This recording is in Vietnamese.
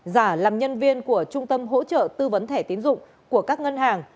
và làm nhân viên của trung tâm hỗ trợ tư vấn thẻ tín dụng của các ngân hàng